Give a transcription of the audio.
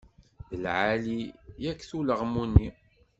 D lɛali-yak-t ulaɣmu-nni.